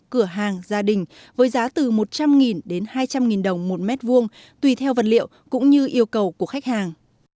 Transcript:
cửa hàng gia đình với giá từ một trăm linh đến hai trăm linh đồng một mét vuông tùy theo vật liệu cũng như yêu cầu của khách hàng